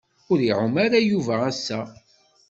Ur iɛum ara Yuba ass-a.